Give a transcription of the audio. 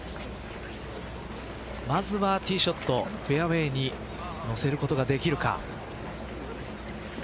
まずはティーショットフェアウエーにのせることができるか。